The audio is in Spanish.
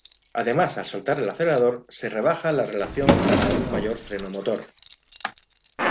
Además al soltar el acelerador se rebaja la relación para un mayor freno motor.